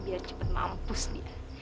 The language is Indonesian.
biar cepat mampus dia